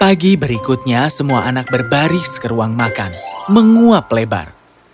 pagi berikutnya semua anak berbaris ke ruang makan menguap lebar